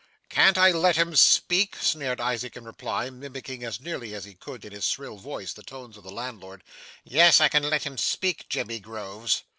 'Can't I let him speak,' sneered Isaac in reply, mimicking as nearly as he could, in his shrill voice, the tones of the landlord. 'Yes, I can let him speak, Jemmy Groves.